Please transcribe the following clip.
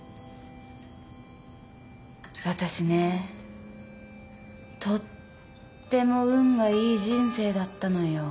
私ねとっても運がいい人生だったのよ。